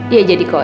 ya jadi kok